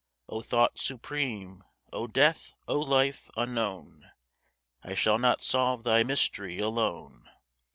O thought supreme! O death! O life! unknown I shall not solve thy mystery alone.